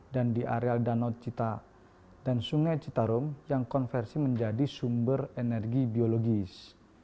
dan di area danau cinta dan sungai citarum yang konversi menjadi sumber energi biologis